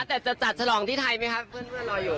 แต่จะจัดฉลองที่ไทยไหมครับเพื่อนรออยู่